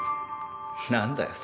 何だよ？